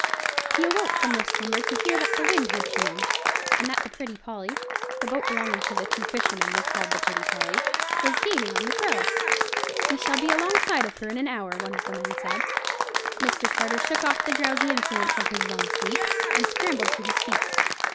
He awoke from this slumber to hear that the wind had changed, and that the Pretty Polly—the boat belonging to the two fishermen was called the Pretty Polly—was gaining on the Crow. "We shall be alongside of her in an hour," one of the men said. Mr. Carter shook off the drowsy influence of his long sleep, and scrambled to his feet.